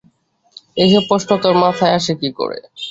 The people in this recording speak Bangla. এইসব প্রশ্ন তোর মাথায় আসে কী করে?